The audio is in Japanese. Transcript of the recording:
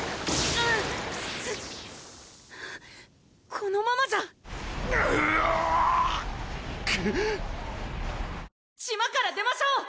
このままじゃグウゥクッ島から出ましょう！